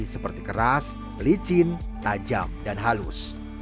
seperti keras licin tajam dan halus